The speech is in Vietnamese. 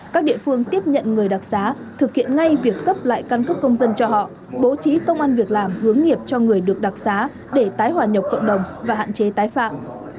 các địa phương tiếp nhận người đặc xá thực hiện ngay việc cấp lại căn cước công dân cho họ bố trí công an việc làm hướng nghiệp cho người được đặc xá để tái hòa nhập cộng đồng và hạn chế tái phạm